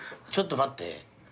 ちょっと待って。